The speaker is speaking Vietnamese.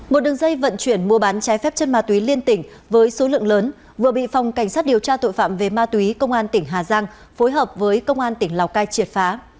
một đường dây vận chuyển mua bán trái phép chân ma túy liên tỉnh với số lượng lớn vừa bị phòng cảnh sát điều tra tội phạm về ma túy công an tỉnh hà giang phối hợp với công an tỉnh lào cai triệt phá